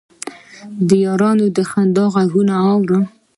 د یارانو د خندا غـــــــــــــــــږونه اورم